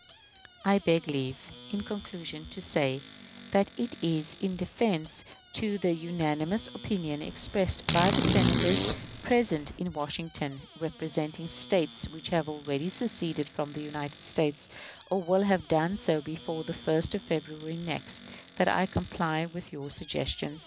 I beg leave, in conclusion, to say that it is in deference to the unanimous opinion expressed by the Senators present in Washington, "representing States which have already seceded from the United States, or will have done so before the 1st of February next," that I comply with your suggestions.